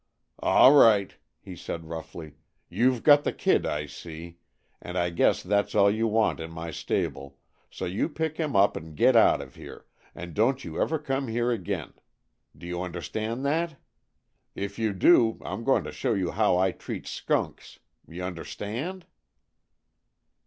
"All right," he said roughly. "You've got the kid, I see, and I guess that's all you want in my stable, so you pick him up and get out of here, and don't you ever come here again. Do you understand that? If you do, I'm going to show you how I treat skunks. Y' understand?"